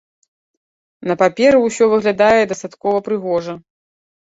На паперы ўсё выглядае дастаткова прыгожа.